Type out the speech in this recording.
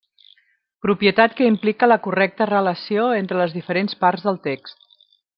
Propietat que implica la correcta relació entre les diferents parts del text.